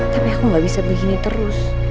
tapi aku nggak bisa begini terus